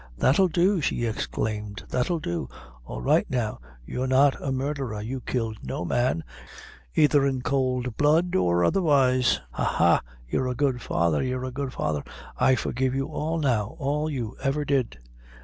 "That'll do," she exclaimed; "that'll do; all's right now; you're not a murdherer, you killed no man, aither in cowld blood or otherwise; ha! ha! you're a good father; you're a good father; I forgive you all now, all you ever did."